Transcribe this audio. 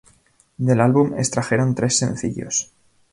Del álbum extrajeron tres sencillos.